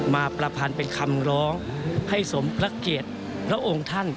มาประพันธ์เป็นคำร้องให้สมพระเกียรติพระองค์ท่าน